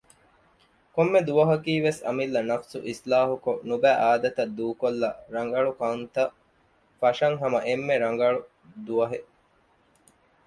ކޮންމެ ދުވަހަކީވެސް އަމިއްލަ ނަފްސު އިސްލާހުކޮށް ނުބައި އާދަތައް ދޫކޮށްލައި ރަނގަޅުކަންތައް ފަށަން ހަމަ އެންމެ ރަނގަޅު ދުވަހެއް